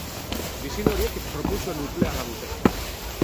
Misil horiek propultsio nuklearra dute.